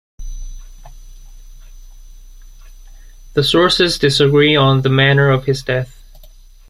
The sources disagree on the manner of his death.